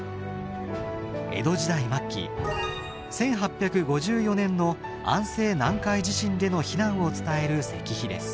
江戸時代末期１８５４年の安政南海地震での避難を伝える石碑です。